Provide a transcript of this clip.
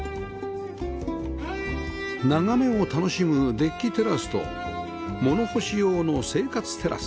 眺めを楽しむデッキテラスと物干し用の生活テラス